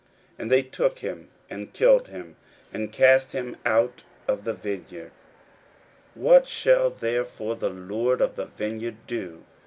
41:012:008 And they took him, and killed him, and cast him out of the vineyard. 41:012:009 What shall therefore the lord of the vineyard do?